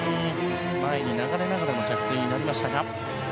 前に流れながらの着水になりました。